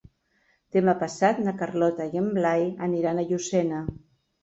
Demà passat na Carlota i en Blai aniran a Llucena.